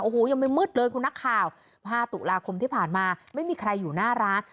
โอ้โหยังไม่มืดเลยคุณนักข่าว๕ตุลาคมที่ผ่านมาไม่มีใครอยู่หน้าร้าน